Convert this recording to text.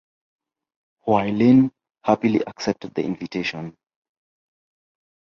Hoai Linh happily accepted the invitation.